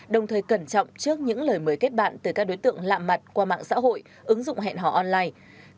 đồng thời cẩn trọng trước những lời mời kết bạn từ các đối tượng lạ mặt qua mạng xã hội ứng dụng hẹn hò online